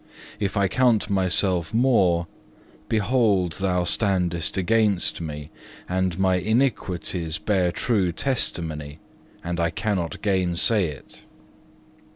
If I count myself more, behold Thou standest against me, and my iniquities bear true testimony, and I cannot gainsay it.